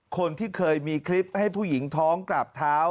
คนที่เคยมีคลิปให้ผู้หญิงท้องกราบเท้า